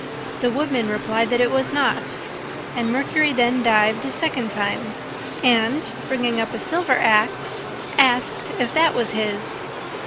The Woodman replied that it was not, and Mercury then dived a second time, and, bringing up a silver axe, asked if that was his.